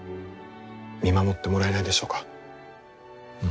見守ってもらえないでしょうか？